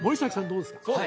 どうですか？